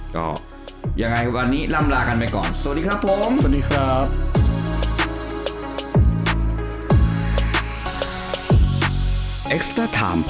ก็ยังไงวันนี้ลำลากันไปก่อนสวัสดีครับผม